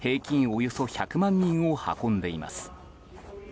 およそ１００万人を運んでいます。